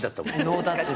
ノータッチで。